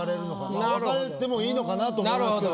分かれてもいいのかなとも思いますけど。